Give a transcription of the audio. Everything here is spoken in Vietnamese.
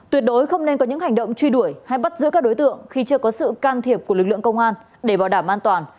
tuyệt đối không nên có những hành động truy đuổi hay bắt giữ các đối tượng khi chưa có sự can thiệp của lực lượng công an để bảo đảm an toàn